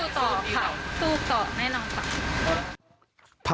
ต่อค่ะสู้ต่อแน่นอนค่ะ